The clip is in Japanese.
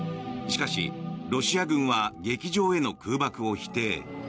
しかし、ロシア軍は劇場への空爆を否定。